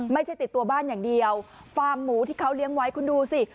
ไม่ใช่ติดตัวบ้านอย่างเดียวฟาร์มหมูที่เขาเลี้ยงไว้คุณดูสิ